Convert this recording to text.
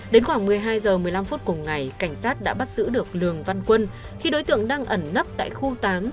đến khoảng một mươi hai giờ một mươi năm phút cùng ngày cảnh sát đã bắt giữ được lường văn quân khi đối tượng đang ẩn nấp tại khu tám thị trấn mường tè